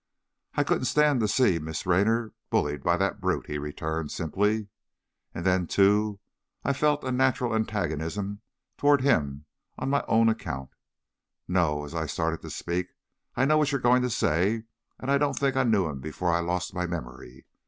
"I couldn't stand it to see Miss Raynor bullied by that brute," he returned, simply, "and then, too, I felt a natural antagonism toward him on my own account. No," as I started to speak, "I know what you're going to say, and I don't think I knew him before I lost my memory.